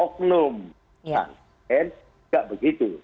dan tidak begitu